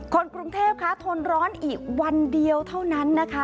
คนกรุงเทพคะทนร้อนอีกวันเดียวเท่านั้นนะคะ